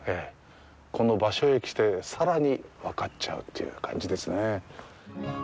この場所へ来てさらに分かっちゃうという感じですね。